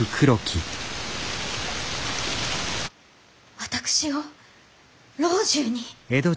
私を老中に。